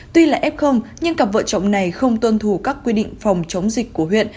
tuy là f nhưng cặp vợ chồng này không tuân thủ các quy định phòng chống dịch của huyện